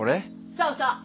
そうそう。